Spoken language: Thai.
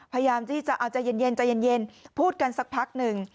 พยายามที่จะเอาใจเย็นใจเย็นพูดกันสักพักหนึ่ง